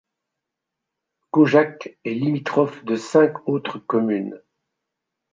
Gaujac est limitrophe de cinq autres communes.